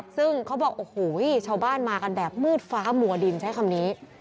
ซึ่งเขาบอกโอ้โหชาวบ้านมากันแบบมืดฟ้ามัวดินใช้คำนี้